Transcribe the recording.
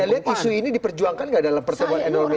anda lihat isu ini diperjuangkan gak dalam pertemuan nomt ini